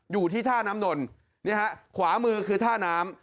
อยู่ที่ท่าน้ำนนนี่ฮะขวามือคือท่าน้ำ